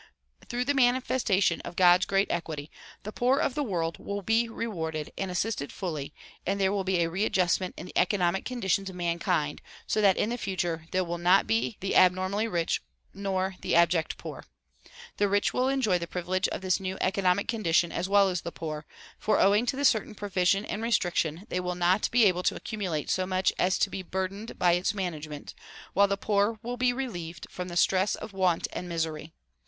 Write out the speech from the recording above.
Through the manifestation of God's great equity the poor of the world will be rewarded and assisted fully and there will be a readjustment in the economic con ditions of mankind so that in the future there will not be the ab normally rich nor the abject poor. The rich will enjoy the privilege of this new economic condition as well as the poor, for owing to certain provision and restriction they will not be able to accumulate so much as to be burdened by its management, while the poor will be relieved from the stress of want and misery.